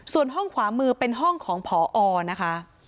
ส่วนห้องขวามือเป็นห้องของผอนะคะ